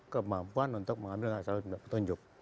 kemampuan untuk mengambil petunjuk